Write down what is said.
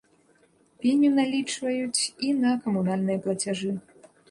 Пеню налічваюць і на камунальныя плацяжы.